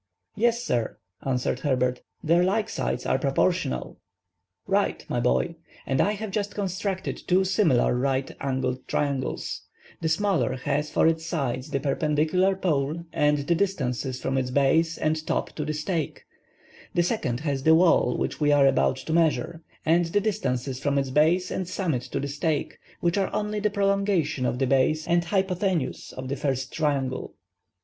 "Yes, sir," answered Herbert. "Their like sides are proportional." "Right, my boy. And I have just constructed two similar right angled triangles:—the smaller has for its sides the perpendicular pole and the distances from its base and top to the stake; the second has the wall which we are about to measure, and the distances from its base and summit to the stake, which are only the prolongation of the base and hypothenuse of the first triangle.